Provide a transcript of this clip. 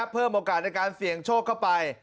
เพิ่มโอกาสในการเสี่ยงโชคเข้าไป